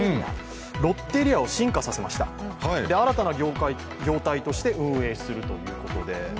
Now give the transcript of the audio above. ロッテリアを進化させました、新たな業態として運営するということで。